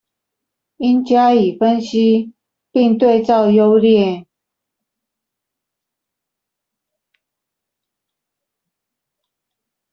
應加以分析並對照優劣